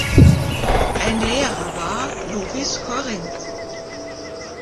Ein Lehrer war Lovis Corinth.